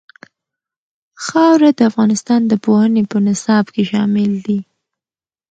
خاوره د افغانستان د پوهنې په نصاب کې شامل دي.